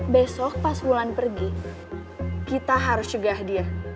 besok pas wulan pergi kita harus cegah dia